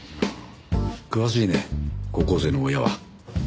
詳しいね高校生の親は。